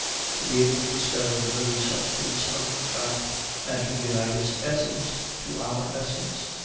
To be able to discover the very substance of fact and to unite its essence to our essence?